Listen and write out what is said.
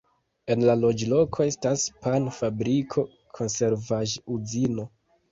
En la loĝloko estas pan-fabriko, konservaĵ-uzino.